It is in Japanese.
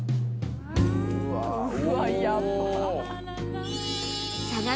うわっ！